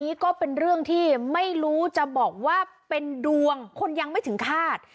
อันนี้ก็เป็นเรื่องที่ไม่รู้จะบอกว่าเป็นดวงคนยังไม่ถึงคาด